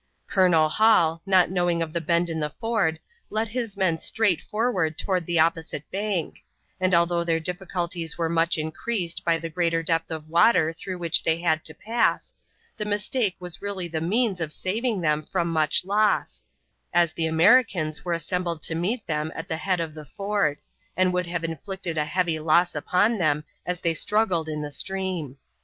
Colonel Hall, not knowing of the bend in the ford, led his men straight forward toward the opposite bank, and although their difficulties were much increased by the greater depth of water through which they had to pass, the mistake was really the means of saving them from much loss, as the Americans were assembled to meet them at the head of the ford, and would have inflicted a heavy loss upon them as they struggled in the stream.